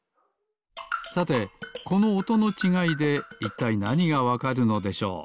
さてこのおとのちがいでいったいなにがわかるのでしょう？